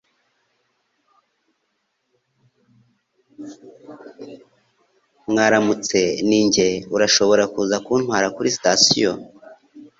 Mwaramutse, ni njye. Urashobora kuza kuntwara kuri sitasiyo?